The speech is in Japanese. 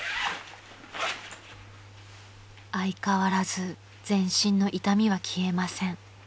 ［相変わらず全身の痛みは消えません］